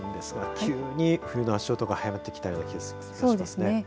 急に冬の足音が早まってきたような気がしますね。